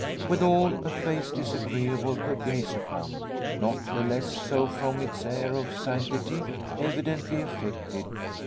Withal, a face disagreeable to gaze upon; not the less so from its air of sanctity, evidently affected.